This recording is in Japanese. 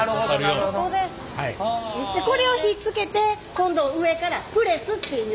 これをひっつけて今度上からプレスっていう。